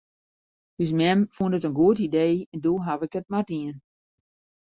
Us mem fûn it in goed idee en doe haw ik it mar dien.